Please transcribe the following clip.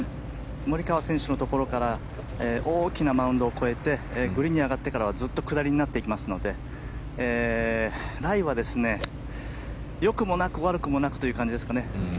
モリカワ選手のところから大きなマウンドを越えてグリーンに上がってからはずっと下りになっていきますのでライはよくもなく悪くもなくという感じですかね。